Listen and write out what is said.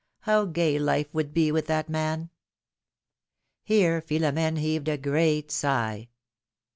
How gay life would be with that man ! Here Philomene heaved a great sigh.